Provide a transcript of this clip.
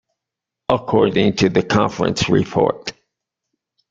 According to the Conference Report.